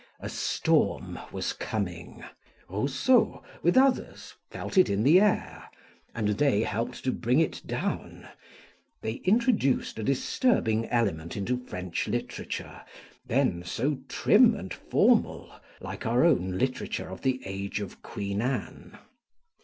A storm was coming: Rousseau, with others, felt it in the air, and they helped to bring it down: they introduced a disturbing element into French literature, then so trim and formal, like our own literature of the age of Queen Anne.